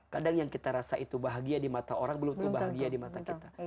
kadang yang kita rasa itu bahagia di mata orang belum tuh bahagia di mata kita